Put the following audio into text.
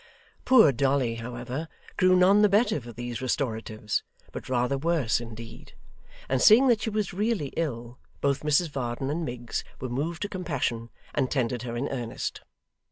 Poor Dolly, however, grew none the better for these restoratives, but rather worse, indeed; and seeing that she was really ill, both Mrs Varden and Miggs were moved to compassion, and tended her in earnest.